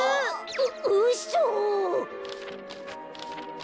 ううそ！？